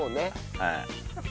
はい。